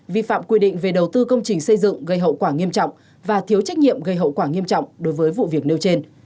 vi phạm quy định về đầu tư công trình xây dựng gây hậu quả nghiêm trọng và thiếu trách nhiệm gây hậu quả nghiêm trọng đối với vụ việc nêu trên